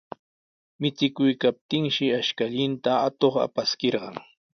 Michikuykaptinshi ashkallanta atuq apaskirqan.